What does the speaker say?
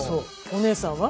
お姉さんは？